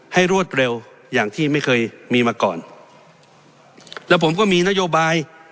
รวดเร็วอย่างที่ไม่เคยมีมาก่อนแล้วผมก็มีนโยบาย